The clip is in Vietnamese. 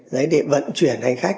đấy để vận chuyển hành khách